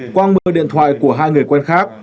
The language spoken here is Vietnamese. quang mở điện thoại của hai người quen khác